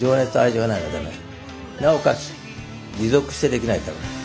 なおかつ持続してできないとダメだよ。